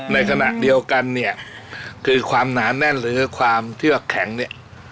ในขณะเดียวกันเนี่ยคือความหนาแน่นหรือความเทือกแข็งเนี่ย